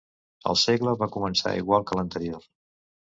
El segla va començar igual que l'anterior.